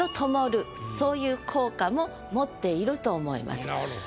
そういう効果も持っていると思います。